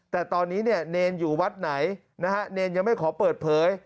แต่ตอนนี้เนี่ยเนรอยู่วัดไหนนะฮะเนรยังไม่ขอเปิดเผย